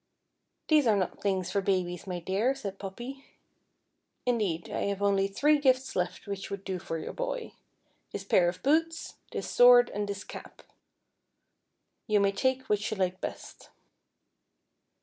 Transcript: " These are not things for babies, my dear," said Poppy. " Indeed, I have only three gifts left which would do for your boy — this pair of boots, this sword, and this cap ; you may take which you like best."